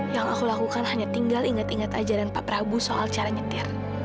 yang aku lakukan hanya tinggal ingat ingat ajaran pak prabu soal cara nyetir